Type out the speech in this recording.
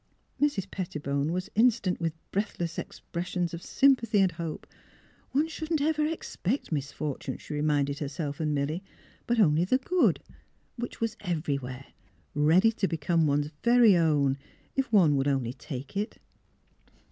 Mrs. Pettibone was instant with breathless ex pressions of sympathy and hope. One shouldn't ever expect misfortune, she reminded herself and Milly; but only the good, which was everywhere, ready to become one 's very own, if one would only take it.